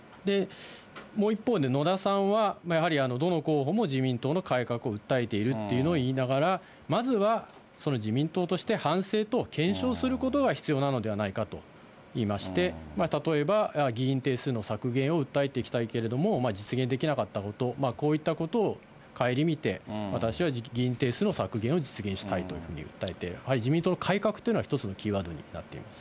もう一方で野田さんは、やはりどの候補も自民党の改革を訴えているっていうのを言いながら、まずはその自民党として反省と検証することが必要なのではないかといいまして、例えば議員定数の削減を訴えていきたいけれども、実現できなかったこと、こういったことをかえりみて、私は議員定数の削減を実現したいというふうに訴えて、自民党の改革というのは一つのキーワードになっています。